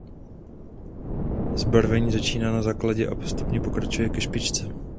Zbarvení začíná na základně a postupně pokračuje ke špičce.